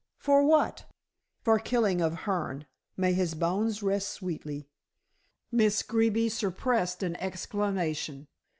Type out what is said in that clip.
"For what?" "For killing of Hearne, may his bones rest sweetly." Miss Greeby suppressed an exclamation.